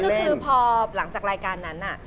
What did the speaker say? คือพอหลังจากรายการนั้น